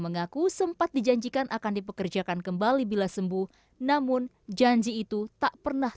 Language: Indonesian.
mengaku sempat dijanjikan akan dipekerjakan kembali bila sembuh namun janji itu tak pernah